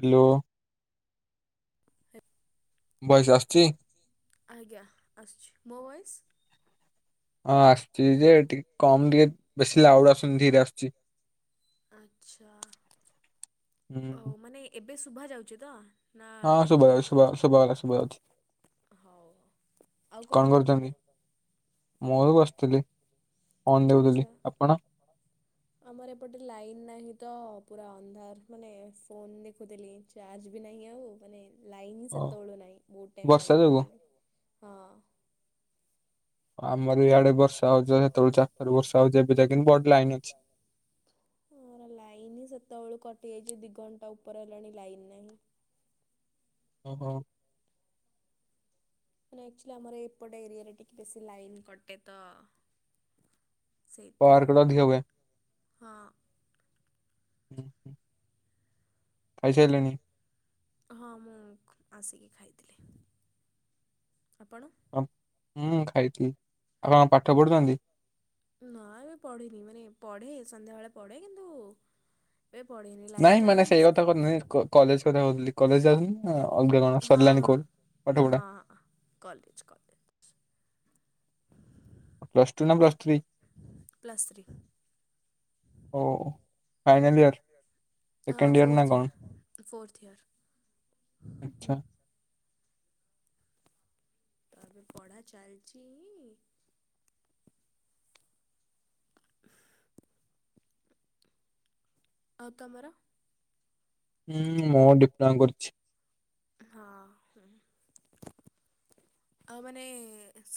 Hello ଆଜ୍ଞା ଆସୁଛି ମୋ ଭଏସ୍ ହଁ ଆସୁଛି ଯେ ଟିକେ କମ ଟିକେ ବେଶୀ ଲାଉଡ ଆସୁନି ଧୀରେ ଆସୁଛି। ଓ ମାନେ ଏବେ ଶୁଭା ଯାଉଛି ତ? ହଁ ସୁବା ସୁବା ସୁବା ସୁବା ଯାଉଚି। ହଉ ଆଉ କଣ କରୁଥିଲେ? ମୁଁ ଏବେ ବସିଥିଲି। ଆଚ୍ଛା। [inaudible] ଆମର ଏପଟେ ଲାଇନ ନାହିଁ ତ, ପୁରା ଅନ୍ଧାର ମାନେ ଫୋନ ଦେଖୁଥିଲି। ଚାର୍ଜ ବି ନାହିଁ ଆଉ ମାନେ ଲାଇନ ହିଁ ସେତେବେଳୁ ନାହିଁ ବୋହୁତ ଟାଇମ୍ ହେଲାଣି କାଟିଲାନି ହଁ। ଆମର ଇଆଡେ ବର୍ଷା ହଉଚି ଯେ ସେତେବେଳୁ, ଚାରିଟାରୁ ବର୍ଷା ହଉଛି ଏବେ ଯାଏ କିନ୍ତୁ ବଟ୍ ଲାଇନ୍ ଅଛି। ଆମର ଲାଇନ ହିଁ ସେତେବେଳୁ କଟିଯାଇଛି ଦି ଘଣ୍ଟା ଉପର ହେଲାଣି ଲାଇନ ନାହିଁ। ଓହୋ। ମାନେ ଆକ୍ଚୁଆଲି ଆମର ଏପଟେ ଏରିଆରେ ଟିକେ ବେଶୀ ଲାଇନ କଟେ ତ? ସେଇଥିପାଇଁ ହ ହଁ। ହୁଁ ହୁଁ। ଖାଇସାରିଲେଣିି? ହଁ ମୁଁ ଆସିକି ଖାଇଥିଲି। ଆପଣ? ହଁ ମୁଁ ଖାଇଥିଲି ଆଉ କଣ ପାଠ ପଢୁଛନ୍ତି? ନା ଏବେ ପଢ଼ିନି ମାନେ ପଢେ ସନ୍ଧ୍ୟାବେଳେ ପଢେ କିନ୍ତୁ ଏବେ ପଢ଼ିନି ଲାଇନ ତ ନାହିଁ ବସିକ କଲେଜ କଥା କହୁଥିଲି କଲେଜ ଯାଉଛନ୍ତି ନା ଅଲଗା କଣ ସରିଲଣି କୋଲ ପାଠପଢ଼ା। କଲେଜ୍ କଲେ ପ୍ଲସ୍ ଥ୍ରୀ। ଓ ଫାଇନାଲ ଇୟର। ହଁ ଫୋର୍ଥ ଇୟର ଫୋର୍ଥ ଇୟର। ଆଚ୍ଛା। ତ ଏବେ ପଢ଼ା ଚାଲିଚିଇ। [inaudible] ଆଉ ତମର? ହୁଁ ମୋର ଡିପ୍ଲୋମା କରୁଛି। ହଁ ହଁ ଆ ମାନେ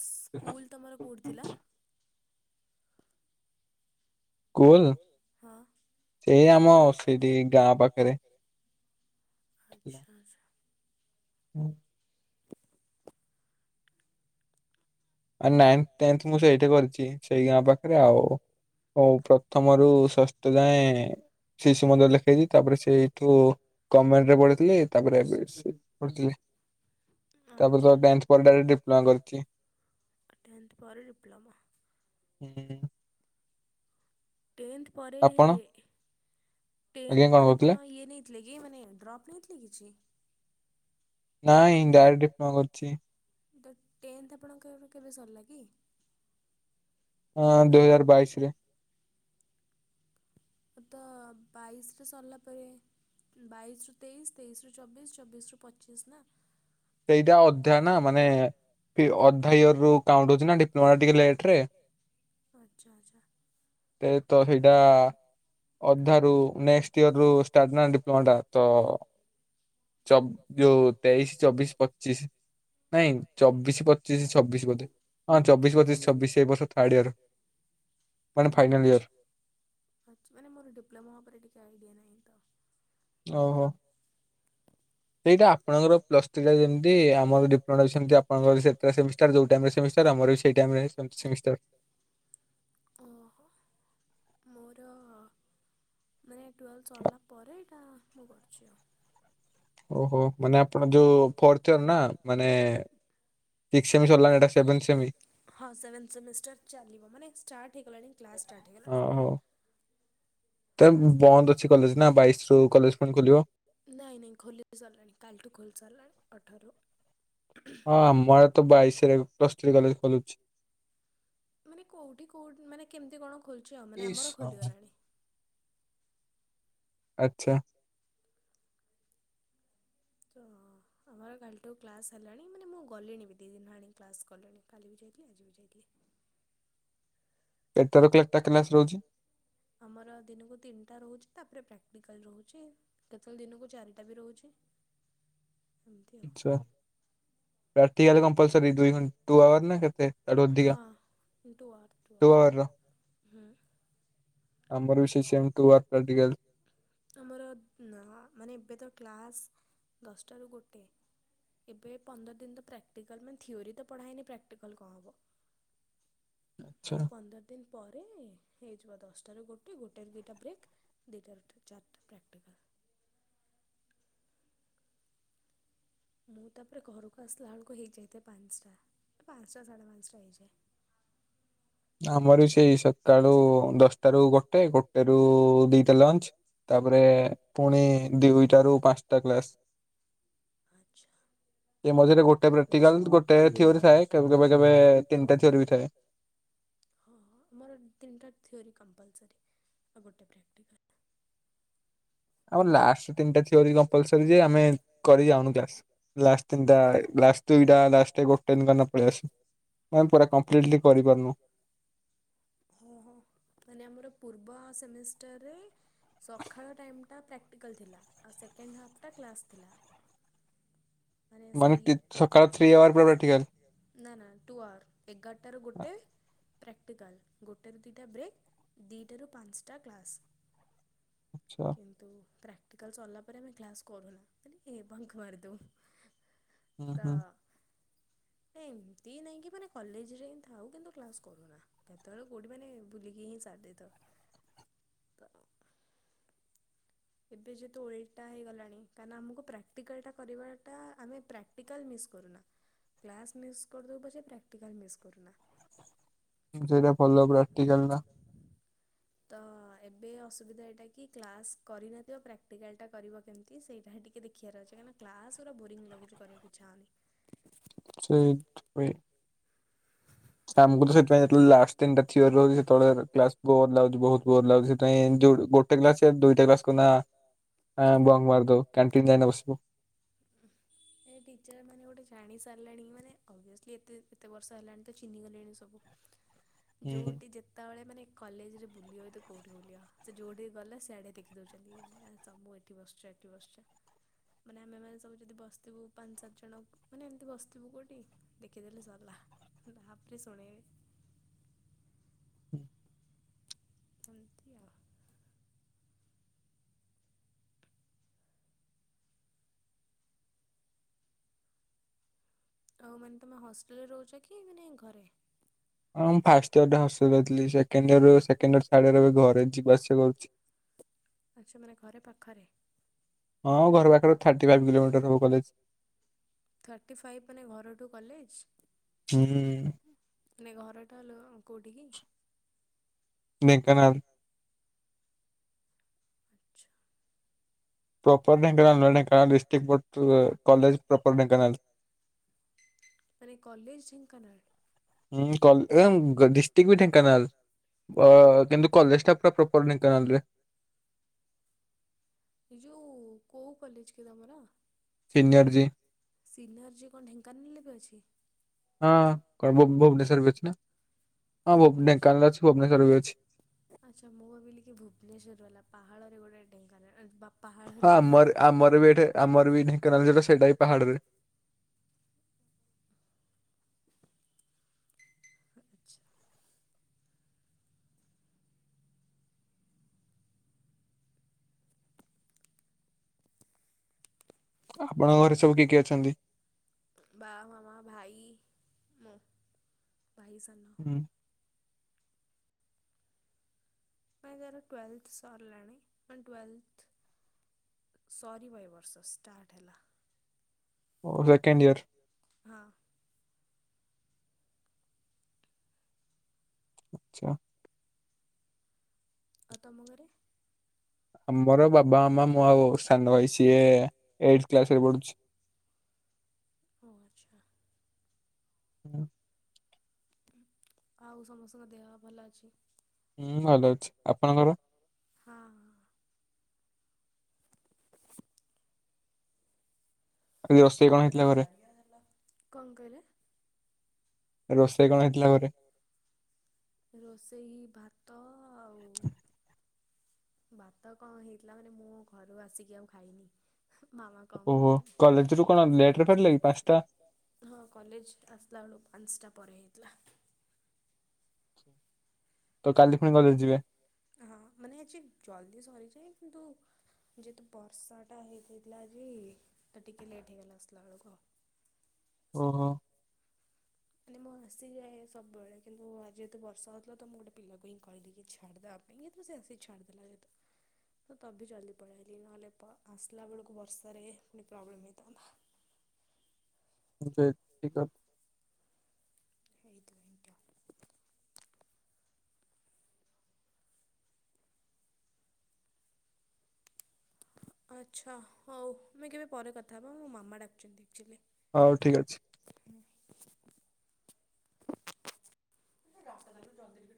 ସ୍କୁଲ ତମର କୋଉଁଠି ଥିଲା? ସ୍କୁଲ ସେଇ ଆମ ସେଠି ଗାଁ ପାଖେରେ। ଆଚ୍ଛା ଆଚ୍ଛା। ହୁଁ। ଆଉ ନାଇନ୍ଥ ଟେନ୍ ମୁଁ ସେଇଠି କରିଛି। ସେଇ ଗାଁ ପାଖରେ ଆଉ ହଉ ପ୍ରଥମରୁ ଷଷ୍ଠ ଯାଏଁ। ଶିସୁ ମନ୍ଦିର ଲେଖେଇ ଦେଇ ତାପରେ ସେ ତୁ କମେଣ୍ଟ ରେ ପଢିଥିଲି ତାପରେ ଏବେ ପଢିଥିଲେ ତାପରେ [unintelligible] ଡିପ୍ଲୋମା କରିଛି। ଟେନ୍ଥ ପରେ ଡିପ୍ଲୋମା। ହୁଁ ହୁଁ। ଟେନ୍ଥ ପରେ ଟେନ୍ଥ ପରେ ଆପଣ ଇଏ ନେଇ ଥିଲେ କି ମାନେ ଡ୍ରପ୍ ନେଇଥିଲେ କି କିଛି। ନାଇଁ ଡାଇରେକ୍ଟ ଡିପ୍ଲୋମା କରିଛି। ତ ଟେନ୍ଥ ଆପଣଙ୍କ କେବେ ସରିଲା କି? ହଁ ଦୁଇ ହଜାର ବାଇଶ ରେ। ମୁ ତ ବାଇଶରେ ସରିଲା ପରେ ବାଇଶି ରୁ, ତେଇଶ ତେଇଶି ରୁ, ଚବିଶ ଚବିଶ ରୁ ପଚିଶ ନା ସେଇଟା ଅଧ୍ୟୟ ନା ମାନେ ଅଧା ଇୟର ରୁ କାଉଣ୍ଟ ହଉଛି ନା ଡିପ୍ଲୋମା ଟିକେ ଲେଟ୍ ରେ ଆଚ୍ଛା ଆଚ୍ଛା। ଏ ତ ହେଇଟା ଅଧାାରୁୁ ନେଷ୍ଟ ଇୟର ରୁ ଷ୍ଟାର୍ଟ ନା ଡିପ୍ଲୋମା ଟା ତ ଚ- ଯୋଉ ତେଇଶି, ଚବିଶ, ପଚିଶ ନାଇଁ ଚବିଶ ପଚିଶ ଛବିଶ ବୋଧେ ହଁ ଚବିଶ ପଚିଶ ଛବିଶଇ ଏ ବର୍ଷ ଥାର୍ଡ ଇୟର। ମ। ମାନେ ମୋର ଡିପ୍ଲୋମା ଉପରେ ଟିକେ ଆଇଡିଆ ନାହିଁ ତ। ଓହୋ। ସେଇଟା ଆପଣଙ୍କର ପ୍ଲସ୍ ଥ୍ରୀ ଟା ଯେମିତି ଆମର ଡିପ୍ଲୋମା ସେମତି ଆପଣଙ୍କର ସେଟା ସେ ଓ ହୋ। ମୋର ମାନେ ଟୁଏଲ୍ଭ ସରିଲା ପରେ ଏଇଟା ମୁଁ କରୁଛି ଆଉ। ଓହୋ, ମାନେ ଆପଣ ଯୋଉ ଫୋର୍ଥ ଇୟର୍ ନା ମାନେ କେମିତି ସାରିଲା ଏଇଟା ସେଭେନ ସେମି ହଁ ସେଭେନ ସେମିଷ୍ଟାର୍ ଚାଲିବ, ମାନେ ଷ୍ଟାର୍ଟ ହେଇଗଲାଣି କ୍ଲାସ ଷ୍ଟାର୍ଟ ହେଇଗଲାଣି। ତ ବନ୍ଦ ଅଛି କଲେଜ ନା ବାଇଶ ରୁ କଲେଜ ପୁଣି ଖୋଲିବ। ନାଇଁ ନାଇଁ ଖୋଲି ସାରିଲଣି। କାଲିଠୁ ଖୋଲିସାରିଲାଣି ଅଠରରୁ। ହଁ ଆମର ତ ବାଇଶରେ ପ୍ଲସ୍ ଥ୍ରୀ କଲେଜ ଖୋଲୁଛି। ମାନେ କୋଉଠି କୋଉଠି ମାନେ କେମିତି କଣ ଖୋଲିଛି ଆଉ, ମାନେ ଆମର ଖୋଲିଗଲାଣି। ଆଚ୍ଛା। ତ। ଆମର କାଲିଠୁ କ୍ଲାସ୍ ହେଲାଣି। ମାନେ ମୁଁ ଗଲିଣି ବି ଦୁଇ ଦିନ ହେଲାଣି କ୍ଲାସ୍ ଗଲିଣି କାଲି ବି ଯାଇଥିଲି ଆଜି ବି ଯାଇଥିଲି। କେତେଟାରୁ କେତେଟା କ୍ଲାସ ରହୁଛି? ଆମର ଦିନକୁ ତିନିଟା ରହୁଛି ତାପରେ ପ୍ରାକ୍ଟିକାଲ ରହୁଛି। କେତେବେଳେ ଦିନକୁ ଚାରିଟା ବି ରହୁଛି। [inaudible] ଏମତି ଆଉ। ପ୍ରାକ୍ଟିକାଲ କମ୍ପଲସରି ଦୁଇ ଘ ଟୁ ଆୱାର ନା କେତେ ତାଠୁ ଅଧିକା? Two hour. ହୁଁ। ଆମର ବି ସେଇ ସେମ୍ ଟୁ ଆୱାର୍ ପ୍ରାକ୍ଟିକାଲ। ଆମର ମାନେ ଏବେ ତ କ୍ଲାସ୍ ଦଶଟାରୁ ଗୋଟେ ଏବେ ପନ୍ଦର ଦିନ ତ ପ୍ରାକ୍ଟିକାଲ ମାନେ ଥିଓରୀ ତ ପଢା ହେଇନି ପ୍ରାକ୍ଟିକାଲ କଣ ହବ। ତ ପନ୍ଦର ଦିନ ଦିନ ପରେ ହେଇଯିବ ଦଶଟାରୁ ଗୋଟେ ଗୋଟେ ଦୁଇଟା ବ୍ରେକ୍ ଦୁଇଟାରୁ ତ ଚାରିଟା ପ୍ରାକ୍ଟିକାଲ। ମୁଁ ତାପରେ ଘରକୁ ଆସିଲାବେଳକୁ ହେଇଯାଇଥାଏ ପାଞ୍ଚଟା। ପାଞ୍ଚଟା ସାଢ଼େ ପାଞ୍ଚଟା ହେଇଯାଏ। ଆମର ବି ସେଇ ସକାଳୁ ଦଶଟାରୁ ଗୋଟେ, ଗୋଟେରୁ ଦିଇଟା ଲଞ୍ଚ ତାପରେ ପୁଣି ଦିଇଉଟାରୁ ପାଞ୍ଚଟା କ୍ଲାସ। ଆଚ୍ଛା। ଏ ମଝିରେ ଗୋଟେ ପ୍ରାକ୍ଟିକାଲ ଗୋଟେ ଥିଓରି ଥାଏ କେବେ କେବେ ତିନିଟା ଥିଓରି ବି ଥାଏ। ହଁ ହଁ। ମୋର ତିନିଟା ଥିଓରି କମ୍ପଲସରି ଆଉ ଗୋଟେ ପ୍ରାକ୍ଟିକାଲ। ଆମ ଲାଷ୍ଟ ତିନିଟା ଥିଓରି କମ୍ପଲସରି ଯେ ଆମେ କରି ଯାଉନୁ କ୍ଲାସ୍ ଲାଷ୍ଟ। ତିନିଟା ଲାଷ୍ଟ ଦୁଇଟା ଲାଷ୍ଟରେ ଗୋଟେ ବି କରିନା ପଳେଇଆସୁ। ଆମେ ପୁରା କମ୍ପ୍ଲିଟଲି କରିପାରୁନୁ। ହଁ ହଁ। ମାନେ ଆମର ପୂର୍ବ ସେମିଷ୍ଟାରରେ ସକାଳ ଟାଇମଟା ପ୍ରାକ୍ କାଲ୍ ଥିଲା। ଆଉ ସେକେଣ୍ଡ ହାଫ୍ଟା କ୍ଲାସ୍ ଥିଲା। ମାନେ ସେଇ ନା ନା ଟୁ ଆୱାର ଏଗାରଟାରୁ ଗୋଟେ। ପ୍ରାକ୍ଟିକାଲ୍। ଗୋଟେରୁ ଦୁଇଟା ବ୍ରେକ୍। ଦିଟାରୁ ପାଞ୍ଚଟା କ୍ଲାସ୍। କିନ୍ତୁ ପ୍ରାକ୍ଟିକାଲ ସରିଲା ପରେ ଆମେ କ୍ଲାସ କରୁନା। [unintelligible] ମାରିଦଉ। ତ ଏମିତି ନାଇଁକି ମାନେ କଲେଜରେ ହିଁ ଥାଉ କିନ୍ତୁ କ୍ଲାସ୍ କରୁନା। ହେତେବେଳ କୋଉଠି ମାନେ ବୁଲିକି ହିଁ ସାରି ଦେଇଥାଉ। ତ ଏବେ ଯେହେତୁ ଓଲଟା ହେଇଗଲାଣି। କାହିଁକିନା ଆମକୁ ପ୍ରାକ୍ଟିକାଲଟା କରିବାଟା ଆମେ ପ୍ରା ପ୍ରାକ୍ଟିକାଲ୍ ମିସ୍ କରୁନା। କ୍ଲାସ୍ ମିସ୍ କରିଦେବୁ ପଛେ ପ୍ରାକ୍ଟିକାଲ୍ ମିସ୍ କରୁନା। ସେଇଟା ଭଲ ପ୍ରାକ୍ଟିକାଲ ଟା। ତ ଏବେ ଅସୁବିଧା ଏଟା କି କ୍ଲାସ କରିନଥିବ ପ୍ରାକ୍ଟିକାଲଟା କରିବ କେମିତି ସେଇଟା ହିଁ ଟିକେ ଦେ ଖିବାର ଅଛି। କାହିଁକି ନା କ୍ଲାସ୍ ଗୁରା ବୋରିଙ୍ଗ ଲାଗୁଚି କରିବାକୁ ଇଚ୍ଛା ହଉନି। [inaudible] ସେଇଥି ପାଇଁ। ସର ଆମକୁ ତ ସେଥିପାଇଁ ଯେତେବେଳେ ଲାଷ୍ଟ ଟାଇମ୍ ଥିଓରି ରହୁଛି, ସେତେବେଳେ କ୍ଲାସ ବୋର ଲାଗୁଚି ବହୁ ବୋର ଲାଗୁଚି। ପାଇଁ ଏମିତି ଗୋଟେ କ୍ଳାସ ଦୁଇଟା କ୍ଲାସ୍ କଲା ବଙ୍ଗ ମାରିଦେଉ କ୍ୟାଣ୍ଟିନ୍ ଯାଇକିନା ବସିବୁ। [inaudible] ଏ ଟିଚରମାନେ ଗୋଟେ ଜାଣି ସାରିଲେଣି। ମାନେ ଅବିଅସଲି ଏତେ ଏତେ ବର୍ଷ ହେଲାଣି ତ ଚିହ୍ନି ଗଲେଣି। ସବୁ। ଯୋଉଠି ଯେ ତେବେଳେ ମାନେ କଲେଜରେ ବୁଲିବ ତ କୋଉଠି ବୁଲିବ। ସେ ଯେଉଁଠିକି ଗଲେ ସିଆଡ଼େ ଦେଖିଦଉଛନ୍ତି। ସବୁ ଏଠି ବସୁଚ ଏଠି ବସୁଚ। ମାନେ ଆମେ ମାନେ ସବୁ ଯଦି ବସିଥିବୁ ପାଞ୍ଚ ସାତ ଜଣ ମାନେ ଏମିତି ବସିଥିବୁ କୋଉଠି ଦେଖିଦେଲେ ସରିଲା ଭାପ ଶୁଣେଇବେ। ଏମିତି ଆଉ। ଆଉ ମାନେ ତମେ ହଷ୍ଟେଲରେ ରହୁଚ କି ମାନେ ଘରେ? ହଁ ମୁଁ ଫାଷ୍ଟ ଇୟର ଟା ହଷ୍ଟେଲ ରେ ଥିଲି। ସେକେଣ୍ଡ ଇୟରରୁ ସେକେଣ୍ଡ ଇୟର ଥାର୍ଡ ଇୟର ଏବେ ଘରେ ଯିବା ଆସିବା କରୁଚି। ଆଚ୍ଛା ମାନେ ଘରେ ପାଖରେ। ହଁ ଘର ପାଖରେ ଥାର୍ଟି ଫାଇଭ୍ କିଲୋମିଟର ହବ କଲେଜ୍। ଥାର୍ଟି ଫାଇପ୍ ମାନେ ଘର ଠୁ କଲେଜ। ମାନେ ଘରଟା ଲୋ କୋଉଠିକି? ଢେଙ୍କାନାଲ୍। ଆଚ୍ଛା। ପ୍ରୋପର ଢେଙ୍କାନାଳ ନୁହେଁ Dhenkanal district [unintelligible] college proper Dhenkanal. ମାନେ କଲେଜ ଢେଙ୍କାନାଳ? ହୁଁଁ କ ଡିଷ୍ଟ୍ରିକ୍ ବି ଢେଙ୍କାନାଲ୍। ଅ କିନ୍ତୁ କଲେଜ ଟା ପୁରା ପ୍ରୋପର ଢେଙ୍କାନାଳ ରେ। ଏ ଯୋଉ କୋଉ କଲେଜ କି ତମର? ସିନର୍ଜି କଣ ଢେଙ୍କାନାଲ ରେ ବି ଅଛି? ହଁ କଣ ଭୁ ଭୁବନେଶ୍ଵର ରେ ବି ଅଛି ନା। ହଁ ଢେଙ୍କାନାଳ ରେ ବି ଅଛି ଭୁବନେଶ୍ୱର ରେ ବି ଅଛି। ଆଚ୍ଛା ମୁଁ ଭାବିଲି କିି ଭୁବନେଶ୍ୱର ବାଲା ପାହାଳ ରେ ଗୋଟେ ଢେଙ୍କାନା ବା ପାହାଳ ରେ ଗୋଟେ ସିନର୍ଜି ଅଛି। ଆଚ୍ଛା। ଆପଣଙ୍କ ଘରେ ସବୁ କିଏ କିଏ ଅଛନ୍ତି? ବାବା, ମାମା, ଭାଇ, ମୁଁ। ଭାଇ ସାନ। ହୁଁ। ଭାଇଙ୍କର ଟ୍ୱେଲ୍ଭେଥ ସରିଲାଣି। ମାନେ ଟ୍ୱେଲଭେଥ ସରିବ ଏ ବର୍ଷ ଷ୍ଟାର୍ଟ ହେଲା। ଓ ସେକେଣ୍ଡ ଇୟର। ହଁ। ଆଚ୍ଛା। ଆଉ ତମ ଘରେ? ଆମର ବାବା, ମାମା, ମୁଁ ଆଉ ସାନ ଭାଇ, ସିଏ ଏଇଟ୍ କ୍ଲାସରେ ପଢ଼ୁଛି। ଓ ଆଚ୍ଛା। ହୁଁ। ଉଁ ଆଉ ସମସ୍ତଙ୍କ ଦେହ ଭଲ ଅଛି? ହୁଁ ଭଲ ଅଛି। ଆପଣଙ୍କର? ହଁ- ହଁ। ଆଜି ରୋଷେଇ କଣ ହେଇଥିଲା ଘରେ? [unintelligible] କଣ କହିଲେ? ରୋଷେଇ ଭାତ ଆଉ ଭାତ ଆଉ କଣ ହେଇଥିଲା, ମାନେ ମୁଁ ଘରୁ ଆସିକି ଆଉ ଖାଇନି। ମାମା କଣ କରଥି ହଁ କଲେଜ ଆସିଲା ବେଳକୁ ପାଞ୍ଚଟା ପରେ ହେଇଥିଲା। ହଁ ମାନେ ଆଜି ଜଲଦି ସରିଯାଏ, କିନ୍ତୁ ଯେହେତୁ ବର୍ଷାଟା ହେଇଯାଇଥିଲା ଆଜି, ତ ଟିକେ ଲେଟ୍ ହେଇଗଲା ଆସିଲା ବେଳକୁ। ଓ ହୋ। ମାନେ ମୁଁ ଆସିଯାଏ ସବୁବେଳେ, କିନ୍ତୁ ଆଜି ଯେହେତୁ ବର୍ଷାହଉଥିଲା ତ ମୁଁ ଗୋଟେ ପିଲାକୁ ହିଁ କହିଲି ଛାଡ଼ିଦବା ପା ପାଇଁକି ତ ସେ ଆସି ଛାଡିଦେଲା, ଯେହେତୁ ତ ତ [unintelligible] ବି ଜଲ୍ଦି ପଳେଇ ଆଇଲି, ନହେଲେ ଆସିଲା ବେଳକୁ ବର୍ଷାରେ ପୁଣି ପ୍ରୋବ୍ଲେମ୍ ହେଇଥାନ୍ତା। [unintelligible] [unintelligible] ଆଚ୍ଛା ହଉ ଆମେ କେବେ ପରେ କଥା ହବା, ମୋ ମାମା ଡାକୁଛନ୍ତି ଆକ୍ଚୋଲି। ହଉ ଠିକ୍ ଅଛି। ରାସ୍ତା ଟା ଜଲଦି